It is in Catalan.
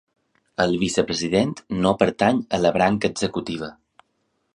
El vicepresident no pertany a la branca executiva.